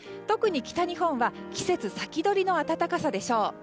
特に北日本は季節先取りの暖かさでしょう。